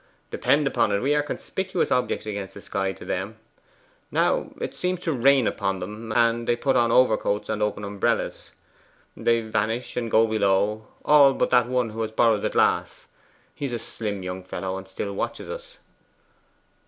Depend upon it we are conspicuous objects against the sky to them. Now, it seems to rain upon them, and they put on overcoats and open umbrellas. They vanish and go below all but that one who has borrowed the glass. He is a slim young fellow, and still watches us.